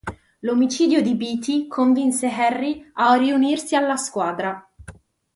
L'omicidio di Beate convince Harry a riunirsi alla squadra.